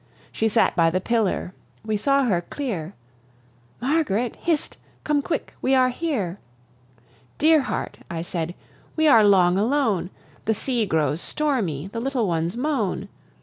She sate by the pillar; we saw her clear: "Margaret, hist! come quick, we are here! Dear heart," I said, "we are long alone; The sea grows stormy, the little ones moan."